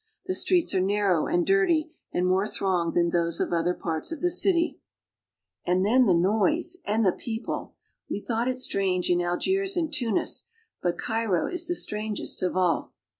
The streets are narrow and dirty I and more thronged than those of other parts of the city. ' "Now our donkey boys are ready ..." And then the noise and the people ! Wc thought it strange in Algiers and Tunis, but Cairo is strangest of all.